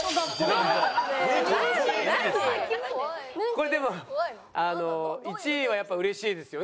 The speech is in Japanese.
これでもあの１位はやっぱうれしいですよね。